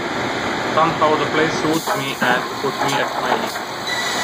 Somehow the place soothed me and put me at my ease.